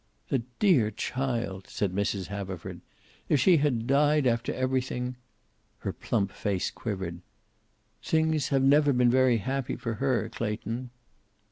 "The dear child!" said Mrs. Haverford. "If she had died, after everything " Her plump face quivered. "Things have never been very happy for her, Clayton."